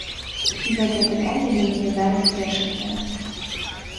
І гэтае пытанне для мяне зараз першаснае.